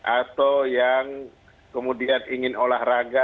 atau yang kemudian ingin olahraga